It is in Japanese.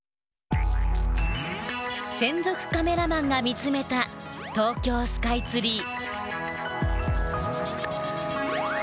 専属カメラマンが見つめた東京スカイツリー。